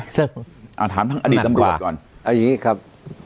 เอ่ออย่างนี้ครับ